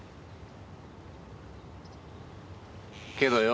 けどよ